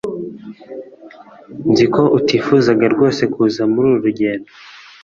nzi ko utifuzaga rwose kuza muri uru rugendo